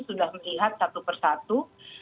sudah melihat satu persatu